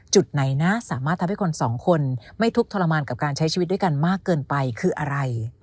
จุดไหนนะสามารถทำให้คนสองคนไม่ทุกข์ทรมานกับการใช้ชีวิตด้วยกันมากเกินไปคืออะไร